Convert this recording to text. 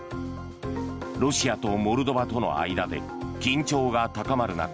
ロシアとモルドバとの間で緊張が高まる中